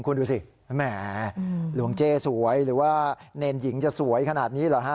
คุณดูสิแหมหลวงเจ๊สวยหรือว่าเนรหญิงจะสวยขนาดนี้เหรอฮะ